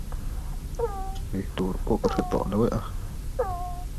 She arrived to his court with all her luxurious possessions.